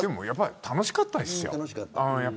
やっぱり、楽しかったです。